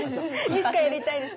いつかやりたいです。